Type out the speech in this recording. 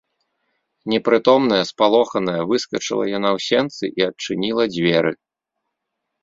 Непрытомная, спалоханая выскачыла яна ў сенцы і адчыніла дзверы.